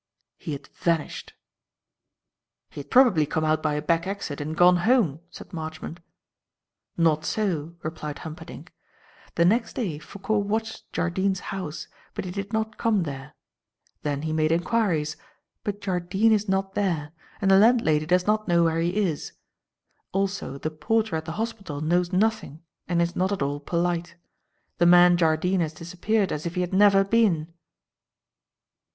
He had vanished." "He had probably come out by a back exit and gone home," said Marchmont. "Not so," replied Humperdinck. "The next day Foucault watched Jardine's house, but he did not come there. Then he made enquiries; but Jardine is not there, and the landlady does not know where he is. Also the porter at the hospital knows nothing and is not at all polite. The man Jardine has disappeared as if he had never been."